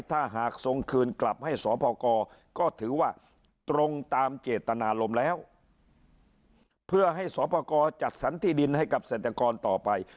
ถ้าหากส่งคืนกลับให้สพกก็ถือว่าตรงตามเจตนารมณ์แล้วเพื่อให้สอบประกอบจัดสรรที่ดินให้กับเศรษฐกรต่อไป